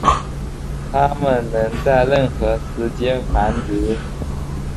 它们能在任何时间繁殖。